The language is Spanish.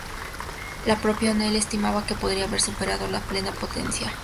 La propia O'Neil estimaba que podría haber superado las a plena potencia.